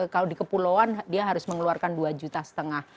kalau di kepulauan dia harus mengeluarkan dua juta setengah